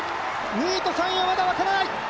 ２位と３位はまだ分からない。